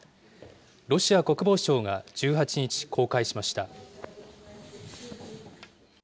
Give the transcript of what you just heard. ロシア国防省が１８日、公開しました。